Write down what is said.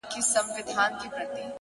• یوه ورځ یې زوی له ځان سره سلا سو,